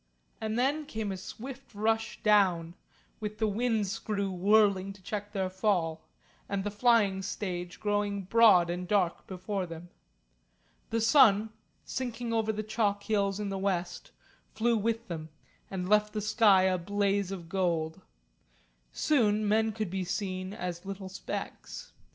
And then came a swift rush down, with the wind screw whirling to check their fall, and the flying stage growing broad and dark before them. The sun, sinking over the chalk hills in the west, fell with them, and left the sky a blaze of gold. Soon men could be seen as little specks.